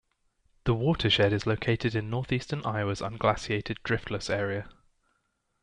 The watershed is located in northeastern Iowa's unglaciated Driftless Area.